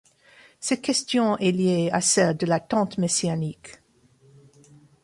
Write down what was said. Cette question est liée à celle de l'attente messianique.